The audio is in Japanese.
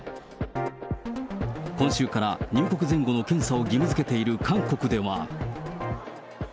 今週から入国前後の検査を義務づけている韓国では。